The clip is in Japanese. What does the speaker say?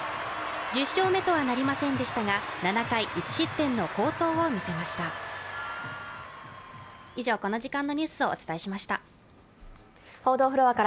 １０勝目とはなりませんでしたが７回、１失点の好投を見せました。